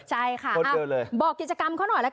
ใช่ค่ะบอกกิจกรรมเขาหน่อยละกัน